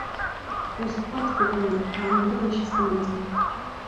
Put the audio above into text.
Усҟәаҵ, Кәыкәына, аангылашьа сымаӡам…